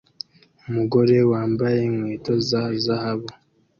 Umugore wambaye inkweto za zahabu